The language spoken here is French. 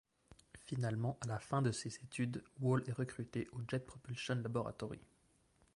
Finalement, à la fin de ses études, Wall est recruté au Jet Propulsion Laboratory.